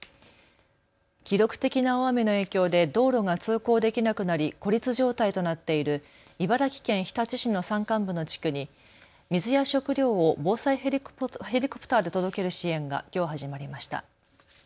記録的な大雨の影響で道路が通行できなくなり孤立状態となっている茨城県日立市の山間部の地区に水や食料を防災ヘリコプターで届ける支援がきょう始まりました。